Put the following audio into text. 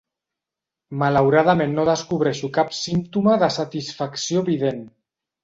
Malauradament no descobreixo cap símptoma de satisfacció evident.